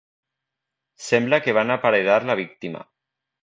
Sembla que van aparedar la víctima.